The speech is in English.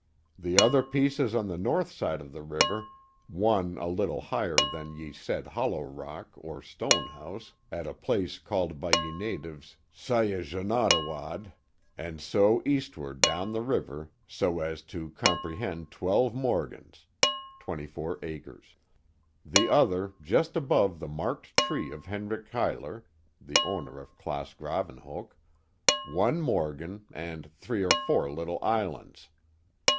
The other pieces on the north side of the river, one a little higher than ye said hollow rock or stone house att a place called by ye natives Syejodenawadde (?) and so eastward down the river so as to compre hend twelve morgens (24 acres). The other just above the marked tree of Hendrick Cuyler (the owner of Claas Graven hoek) one morgen and three or four liiile islands.